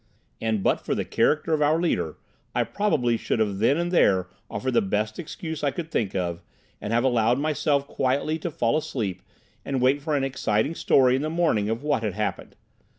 And, but for the character of our leader, I probably should have then and there offered the best excuse I could think of, and have allowed myself quietly to fall asleep and wait for an exciting story in the morning of what had happened.